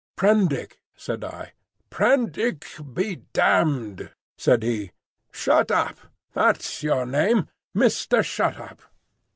"Prendick," said I. "Prendick be damned!" said he. "Shut up,—that's your name. Mister Shut up."